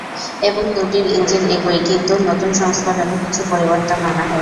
এবং দুটির ইঞ্জিন একই কিন্তু নতুন সংস্করণে কিছু পরিবর্তন আনা হয়েছে।